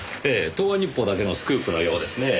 東和日報だけのスクープのようですねぇ。